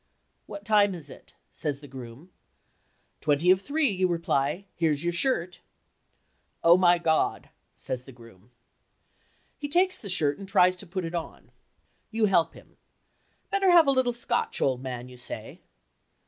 "What time is it?" says the groom. "Twenty of three," you reply. "Here's your shirt." "Oh, my God!" says the groom. He takes the shirt and tries to put it on. You help him. "Better have a little Scotch, old man," you say.